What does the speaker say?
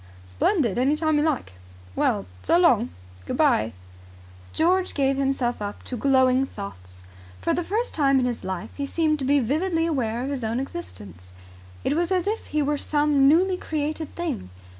"Splendid. Any time you like." "Well, so long." "Good bye." George gave himself up to glowing thoughts. For the first time in his life he seemed to be vividly aware of his own existence. It was as if he were some newly created thing.